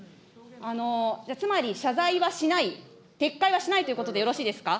つまり謝罪はしない、撤回はしないということでよろしいですか。